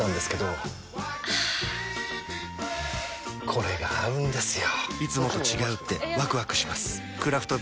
これが合うんですよ！